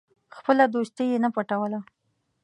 خپله دوستي یې نه پټوله.